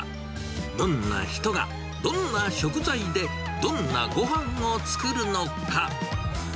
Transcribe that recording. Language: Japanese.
どんな人がどんな食材で、どんなごはんを作るのか。